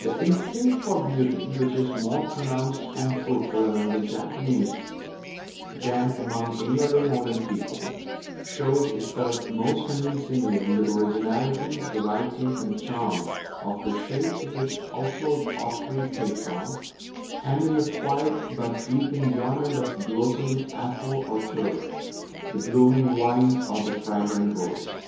The instinct for beauty, which is more pronounced and fruitful among the Japanese than among any other modern people, shows itself most convincingly in the originality, variety, and charm of the shapes which household pottery takes on, and in the quiet but deep enjoyment of the blossoming apple or cherry, the blooming vine or the fragrant rose.